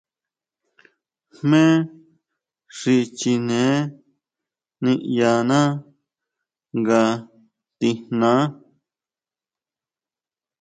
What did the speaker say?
Jmé xi chineé niʼyaná nga tijnaá.